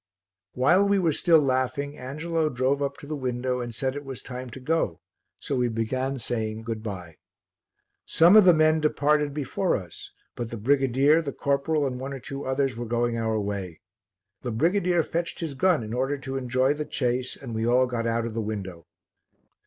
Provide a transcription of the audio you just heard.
While we were still laughing, Angelo drove up to the window and said it was time to go, so we began saying "Good bye." Some of the men departed before us, but the brigadier, the corporal and one or two others were going our way. The brigadier fetched his gun in order to enjoy the chase and we all got out of the window.